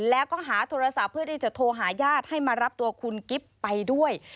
แล้วก็หาโทรศัพท์เพื่อที่จะโทรหาญาติให้มารับตัวคุณกิ๊บไปด้วย